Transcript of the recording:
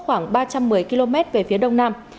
khoảng ba trăm một mươi km về phía đông nam